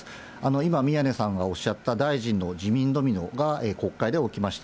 今、宮根さんがおっしゃった大臣の辞任ドミノが国会で起きました。